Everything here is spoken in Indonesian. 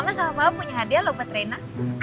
mama sama papa punya hadiah loh petrina